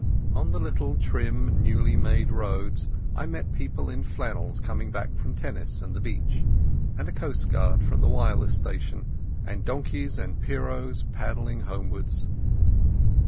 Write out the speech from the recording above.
On the little trim newly made roads I met people in flannels coming back from tennis and the beach, and a coastguard from the wireless station, and donkeys and pierrots padding homewards.